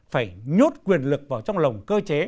phải nhốt quyền lực vào trong lòng cơ chế